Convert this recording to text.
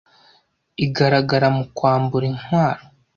igaragara mu kwambura intwaro.